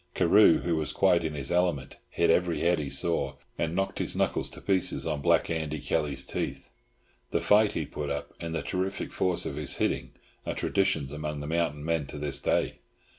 Carew, who was quite in his element, hit every head he saw, and knocked his knuckles to pieces on Black Andy Kelly's teeth. The fight he put up, and the terrific force of his hitting, are traditions among the mountain men to this day.